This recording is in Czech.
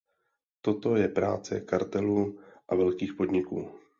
Toto je práce kartelů a velkých podniků.